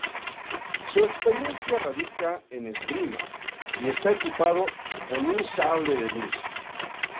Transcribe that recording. Su experiencia radica en esgrima, y está equipado con un sable de luz.